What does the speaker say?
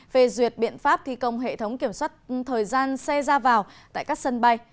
về duyệt biện pháp thi công hệ thống kiểm soát thời gian xe ra vào tại các sân bay